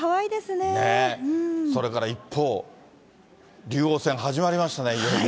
それから一方、竜王戦、始まりましたね、いよいよ。